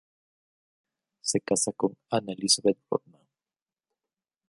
Se casa con Anna Elisabeth Rothman.